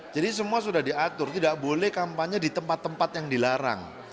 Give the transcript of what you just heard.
jadi semua sudah diatur tidak boleh kampanye di tempat tempat yang dilarang